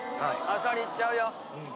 あさりいっちゃうよ。